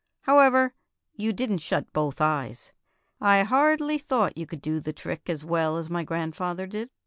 However, you did n't shut both eyes. I hardly thought you could do the trick as well as my grandfather did."